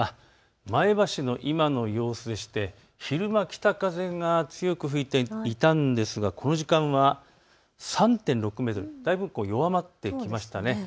前橋の今の様子でして昼間、北風が強く吹いていたんですがこの時間は３．６メートル、だいぶ弱まってきましたね。